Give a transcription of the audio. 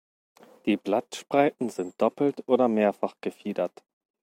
Die Blattspreiten sind doppelt oder mehrfach gefiedert.